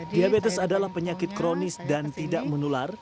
diabetes adalah penyakit kronis dan tidak menular